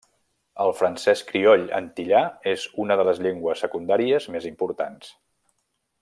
El francès crioll antillà és una de les llengües secundàries més importants.